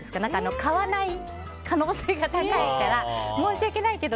買わない可能性が高いから申し訳ないけど